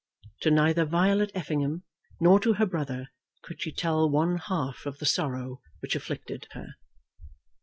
To neither Violet Effingham nor to her brother could she tell one half of the sorrow which afflicted her.